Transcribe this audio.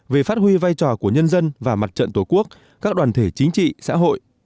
về phát huy vai trò của nhân dân và mặt trận tổ quốc các đoàn thể chính trị xã hội